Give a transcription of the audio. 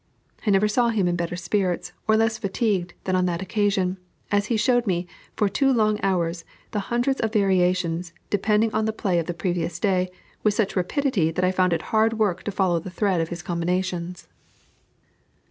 I never saw him in better spirits, or less fatigued, than on that occasion, as he showed me, for two long hours, the hundreds of variations depending on the play of the previous day, with such rapidity that I found it hard work to follow the thread of his combinations.